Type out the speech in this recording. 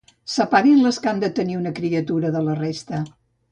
Separin les que han de tenir una criatura de la resta.